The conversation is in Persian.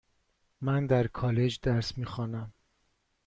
من در کالج درس میخوانم.